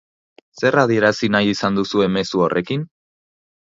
Zer adierazi nahi izan duzue mezu horrekin?